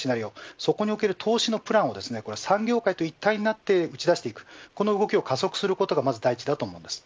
そこにおける投資のプランを産業界と一体になって打ち出していくこの動きを加速することが大事です。